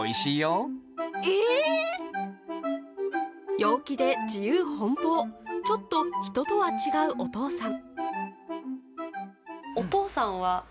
陽気で自由奔放ちょっと人とは違うお父さん。